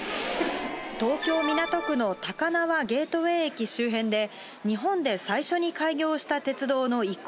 東京・港区の高輪ゲートウェイ駅周辺で日本で最初に開業した鉄道の遺構